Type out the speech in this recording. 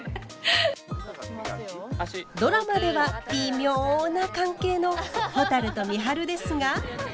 ドラマではビミョな関係のほたると美晴ですが。